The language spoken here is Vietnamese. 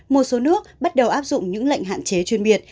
một số nước bắt đầu áp dụng những lệnh hạn chế chuyên biệt